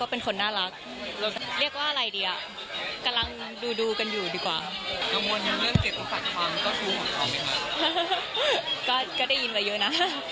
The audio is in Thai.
ตอนนี้หรือตอนนี้ก็ไม่มีให้เห็น